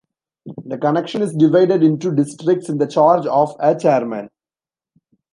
The connexion is divided into Districts in the charge of a Chairman.